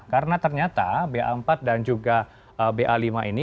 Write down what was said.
karena ternyata ba empat dan juga ba lima ini